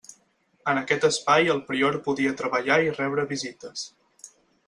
En aquest espai el prior podia treballar i rebre visites.